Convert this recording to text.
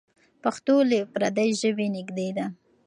پښتو له پردۍ ژبې نږدې ده.